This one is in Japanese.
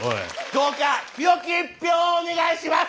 「どうか清き一票をお願いします！」。